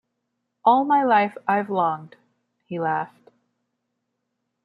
“All my life I’ve longed —” He laughed.